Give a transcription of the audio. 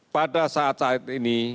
pada saat saat ini